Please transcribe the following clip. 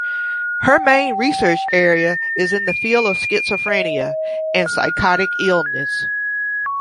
Her main research area is in the field of schizophrenia and psychotic illness.